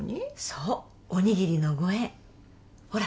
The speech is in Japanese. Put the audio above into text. そうおにぎりのご縁ほら